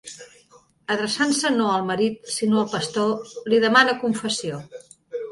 Adreçant-se no al marit, sinó al pastor, li demana confessió.